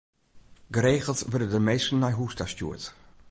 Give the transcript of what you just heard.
Geregeld wurde der minsken nei hûs ta stjoerd.